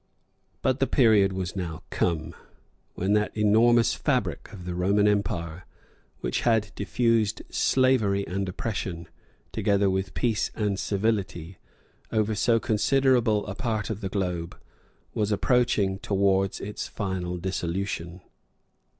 But the period was now come, when that enormous fabric of the Roman empire, which had diffused slavery and oppression, together with peace and civility, over so considerable a part of the globe, was approaching towards its final dissolution.